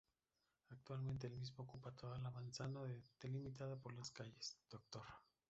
Actualmente el mismo ocupa toda una manzana delimitada por las calles: Dr.